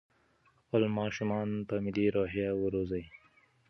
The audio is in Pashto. خپل ماشومان په ملي روحيه وروزئ.